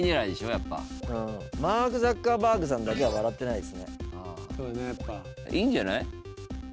やっぱうんマーク・ザッカーバーグさんだけは笑ってないですねいいんじゃない？